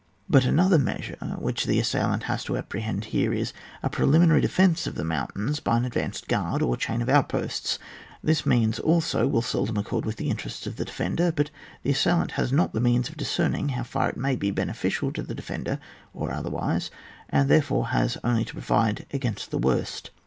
But another measure whicb the as sailant has to apprehend here is, a pre liminary defence of the mountains by an advanced guard or chain of outposts. This means, also, will seldom accord with the interests of the defender ; but the assailant has not the means of discerning how far it may be beneficial to the de fender or otherwise, and therefore be has only to provide against the worst.